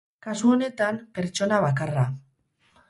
Kasu honetan, pertsona bakarra.